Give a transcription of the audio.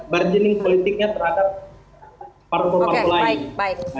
barjening politiknya terhadap partai partai lain